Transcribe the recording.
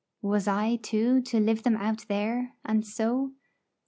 Was I, too, to live them out there, and so?